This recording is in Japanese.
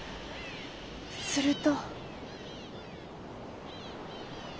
すると？